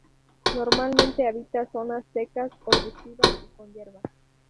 Normalmente habita zonas secas, arbustivas y con hierba.